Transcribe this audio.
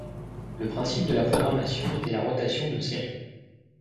Le principe de la programmation était la rotation de séries.